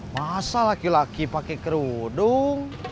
masa laki laki pakai kerudung